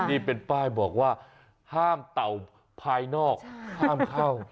นี่เป็นป้ายบอกว่าห้ามเต่าภายนอกห้ามเข้า